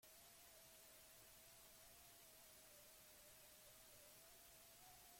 Gurean, zigilurik ez daukanak jai dauka.